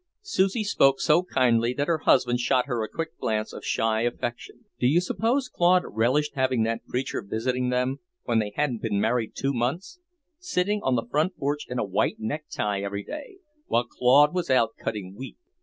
Susie spoke so kindly that her husband shot her a quick glance of shy affection. "Do you suppose Claude relished having that preacher visiting them, when they hadn't been married two months? Sitting on the front porch in a white necktie every day, while Claude was out cutting wheat?"